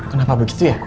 kenapa begitu ya